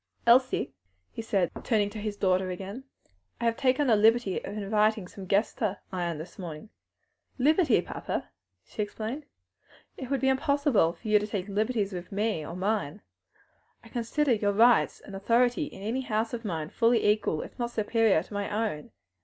"Elsie," he said, turning to his daughter again, "I have taken the liberty of inviting some guests to Ion this morning." "Liberty, papa!" she exclaimed. "It would be impossible for you to take liberties with me or mine; I consider your rights and authority in any house of mine fully equal, if not superior to my own.